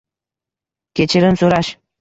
Kechirim so‘rash.